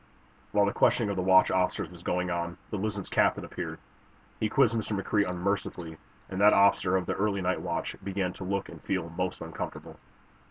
While the questioning of the watch officers was going on the "Luzon's" captain appeared. He quizzed Mr. McCrea unmercifully, and that officer of the early night watch began to look and feel most uncomfortable.